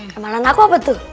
ramalan aku apa tuh